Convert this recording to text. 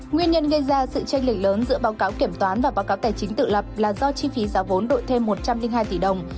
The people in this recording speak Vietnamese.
nguyên nhân gây ra sự tranh lệch lớn giữa báo cáo kiểm toán và báo cáo tài chính tự lập là do chi phí giá vốn đổi thêm một trăm linh hai tỷ đồng